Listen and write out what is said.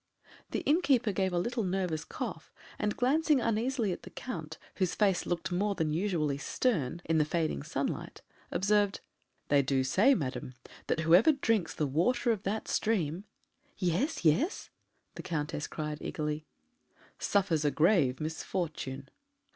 The innkeeper gave a little nervous cough, and glancing uneasily at the Count, whose face looked more than usually stern in the fading sunlight, observed: "They do say, madam, that whoever drinks the water of that stream " "Yes, yes?" the Countess cried eagerly. "Suffers a grave misfortune."